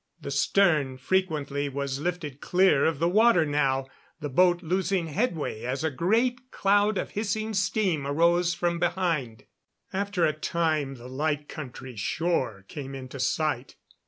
The stern frequently was lifted clear of the water now, the boat losing headway as a great cloud of hissing steam arose from behind. After a time the Light Country shore came into sight.